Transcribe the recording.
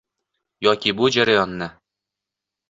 yoki bu - jarayonni